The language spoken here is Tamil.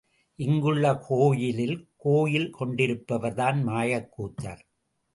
இங்குள்ள கோயிலில் கோயில் கொண்டிருப்பவர்தான் மாயக்கூத்தர்.